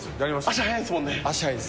足速いですもんね？